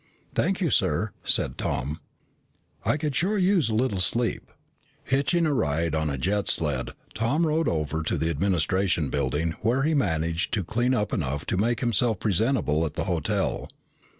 "Thank you, sir," said Tom. "I could sure use a little sleep." Hitching a ride on a jet sled, Tom rode over to the administration building where he managed to clean up enough to make himself presentable at the hotel.